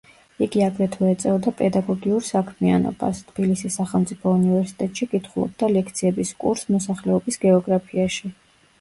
იგი აგრეთვე ეწეოდა პედაგოგიურ საქმიანობას: თბილისის სახელმწიფო უნივერსიტეტში კითხულობდა ლექციების კურს მოსახლეობის გეოგრაფიაში.